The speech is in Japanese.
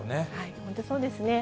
本当、そうですね。